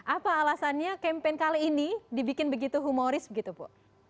apa alasannya campaign kali ini dibikin begitu humoris begitu bu